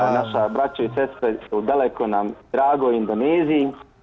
salam nasa bravo sesuai sudah leko nam drago indonesia